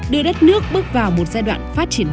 đưa đất nước bước vào một giai đoạn phát triển mới